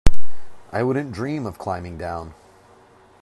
I wouldn't dream of climbing down.